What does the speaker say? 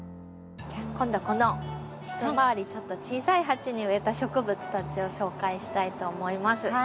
今度はこの一回り小さい鉢に植えた植物たちを紹介したいと思います。